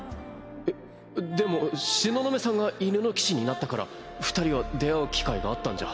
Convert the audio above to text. えっでも東雲さんが犬の騎士になったから二人は出会う機会があったんじゃ。